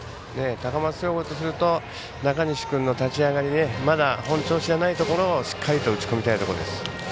高松商業とすると中西君の立ち上がりまだ本調子じゃないところをしっかり打ち込みたいところです。